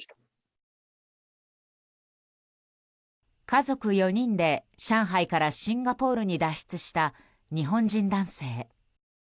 家族４人で上海からシンガポールに脱出した日本人男性。